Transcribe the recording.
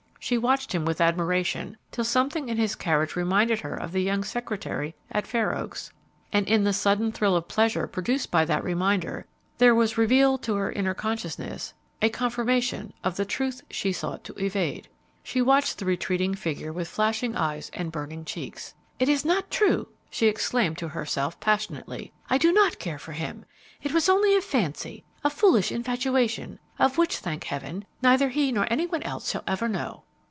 She watched him with admiration, till something in his carriage reminded her of the young secretary at Fair Oaks, and in the sudden thrill of pleasure produced by that reminder there was revealed to her inner consciousness a confirmation of the truth she sought to evade. She watched the retreating figure with flashing eyes and burning cheeks. "It is not true!" she exclaimed, to herself, passionately. "I do not care for him! It was only a fancy, a foolish infatuation, of which, thank heaven, neither he nor any one else shall ever know."